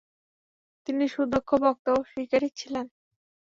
তিনি সুদক্ষ বক্তা ও শিকারী ছিলেন।